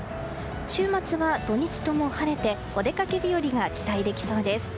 週末は土日とも晴れてお出かけ日和が期待できそうです。